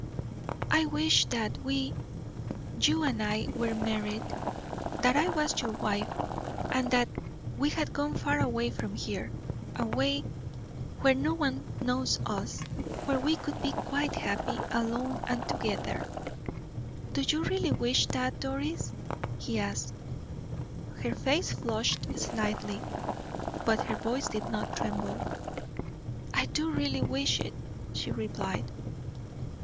"I wish that we you and I were married; that I was your wife, and that we had gone far away from here, away where no one knows us, where we could be quite happy, alone and together." "Do you really wish that, Doris?" he asked. Her face flushed slightly, but her voice did not tremble. "I do really wish it," she replied.